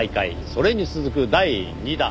それに続く第２弾。